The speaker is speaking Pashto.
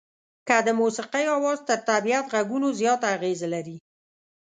که د موسيقۍ اواز تر طبيعت غږونو زیاته اغېزه لري.